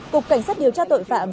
cục cảnh sát điều tra tội phạm